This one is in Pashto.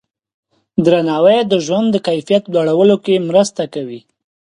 درناوی د ژوند د کیفیت لوړولو کې مرسته کوي.